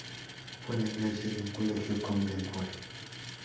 Fue la iglesia de un colegio conventual.